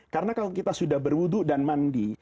karena kalau kita sudah berwudu dan mandi